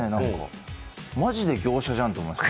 マジで業者じゃんと思いました。